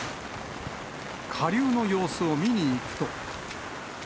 下流の様子を見に行くと。